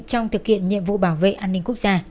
trong thực hiện nhiệm vụ bảo vệ an ninh quốc gia